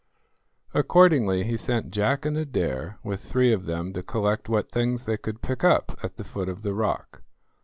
Accordingly he sent Jack and Adair with three of them to collect what things they could pick up at the foot of the rock.